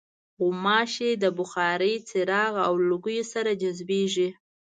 غوماشې د بخارۍ، څراغ او لوګیو سره جذبېږي.